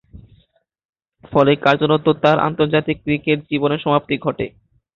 ফলে, কার্যতঃ তার আন্তর্জাতিক ক্রিকেট জীবনের সমাপ্তি ঘটে।